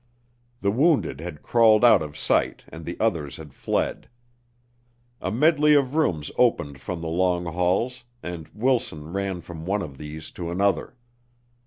The wounded had crawled out of sight and the others had fled. A medley of rooms opened from the long halls and Wilson ran from one of these to another.